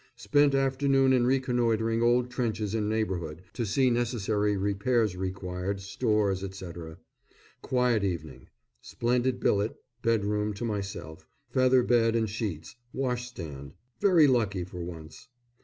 Spent afternoon in reconnoitring old trenches in neighbourhood, to see necessary repairs required, stores, etc. Quiet evening. Splendid billet bedroom to myself, feather bed and sheets, wash stand; very lucky for once.